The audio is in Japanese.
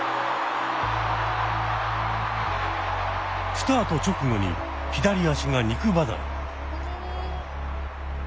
スタート直後に左脚が肉離れ。